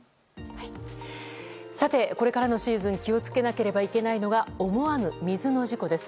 これからのシーズン気を付けなければいけないのは思わぬ水の事故です。